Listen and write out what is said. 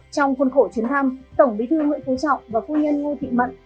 trong khuôn khổ chuyến thăm tổng bí thư nguyễn phú trọng và phu nhân ngô thị mận